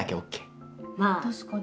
確かに。